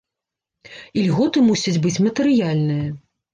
Ільготы мусяць быць матэрыяльныя.